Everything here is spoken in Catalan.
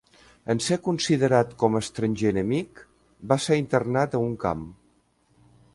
En ser considerat com estranger enemic, va ser internat a un camp.